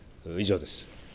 以上です。